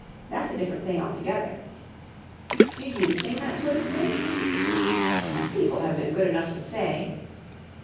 that's a different thing altogether." "Do you sing that sort of thing?" "People have been good enough to say...."